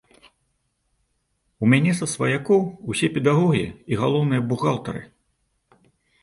У мяне са сваякоў усе педагогі і галоўныя бухгалтары.